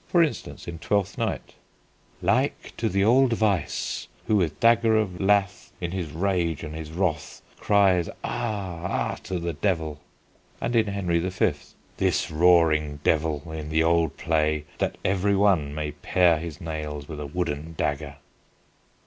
For instance, in Twelfth Night: "Like to the old Vice ...... Who with dagger of lath In his rage and his wrath, Cries, Ah, ah! to the devil." and in Henry V.: "... this roaring devil i' the old play that every one may pare his nails with a wooden dagger."